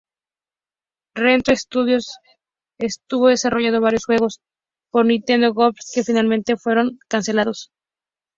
Retro Studios estuvo desarrollando varios juegos para Nintendo GameCube que finalmente fueron cancelados.